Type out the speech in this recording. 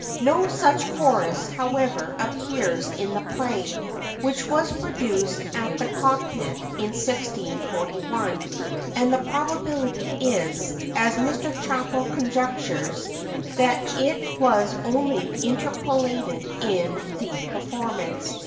No such chorus, however, appears in the play, which was produced at the Cock pit in 1641; and the probability is, as Mr. Chappell conjectures, that it was only interpolated in the performance.